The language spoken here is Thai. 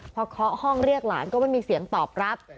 พอเคาะห้องเรียกหลานก็ไม่มีเสียงตอบรับ